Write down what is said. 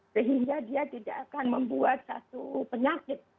sehingga dia tidak akan membuat satu penyakit